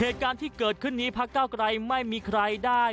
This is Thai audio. เหตุการณ์ที่เกิดขึ้นนี้พักเก้าไกรไม่มีใครได้